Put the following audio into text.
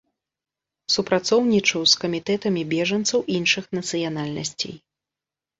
Супрацоўнічаў з камітэтамі бежанцаў іншых нацыянальнасцей.